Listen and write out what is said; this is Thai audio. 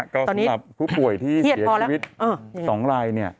ก็สำหรับผู้ป่วยที่เสียชีวิต๒ราย